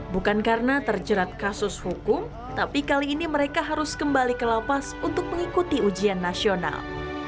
bukan karena terjerat kasus hukum tapi kali ini mereka harus kembali ke lapas untuk mengikuti ujian nasional